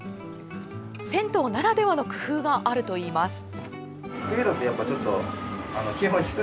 銭湯ならではの工夫があるといいます。